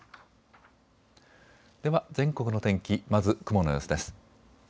では全国の天気、まず雲の様子です。